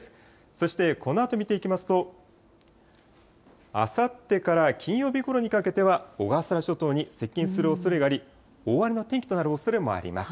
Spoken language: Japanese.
そしてこのあと見ていきますと、あさってから金曜日ごろにかけては、小笠原諸島に接近するおそれがあり、大荒れの天気となるおそれもあります。